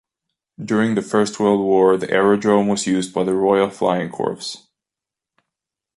During the First World War the aerodrome was used by the Royal Flying Corps.